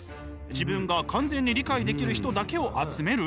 自分が完全に理解できる人だけを集める？